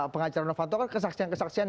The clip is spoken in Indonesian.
pengacara novanto kan kesaksian kesaksian